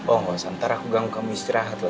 oh nggak usah nanti aku ganggu kamu istirahat lho